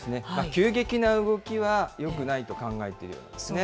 急激な動きはよくないと考えているようですね。